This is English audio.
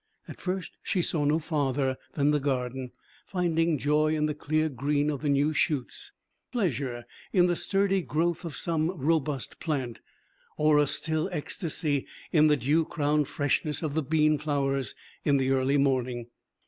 At first she saw no farther than the garden, finding joy in the clear green of the new shoots, pleasure in the sturdy growth of some robust plant, or a still ecstasy in the dew crowned freshness of the bean flowers in the early morning.